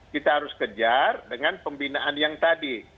kita harus kejar dengan pembinaan yang tadi